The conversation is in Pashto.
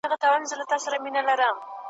کوډي منتر سوځوم ,